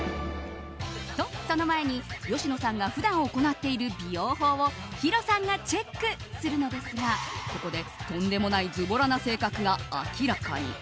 と、その前に芳野さんが普段行っている美容法をヒロさんがチェックするのですがここで、とんでもないずぼらな性格が明らかに。